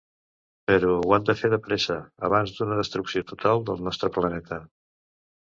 Però ho han de fer de pressa abans d'una destrucció total del nostre planeta.